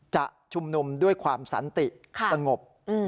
จะชุมนุมด้วยความสันติสงบ